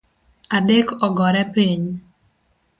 Adek ogore piny